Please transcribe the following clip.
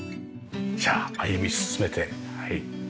じゃあ歩み進めてはい。